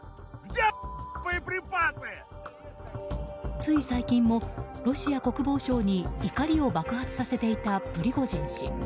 つい最近も、ロシア国防省に怒りを爆発させていたプリゴジン氏。